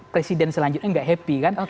presiden selanjutnya gak happy kan